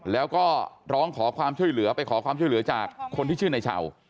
แล้วก็ร้องขอความช่วยเหลือไปขอความช่วยเหลือจากคนที่ชื่อในเช่า